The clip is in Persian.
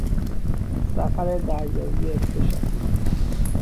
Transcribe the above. سفر دریایی اکتشافی